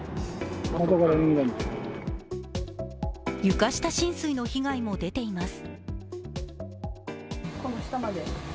床下浸水の被害も出ています。